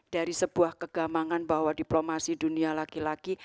dari sebuah kegamangan bahwa diplomasi dunia laki laki